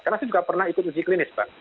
karena saya juga pernah ikut uji klinis pak